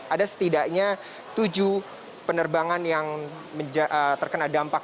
ada setidaknya tujuh penerbangan yang terkena dampak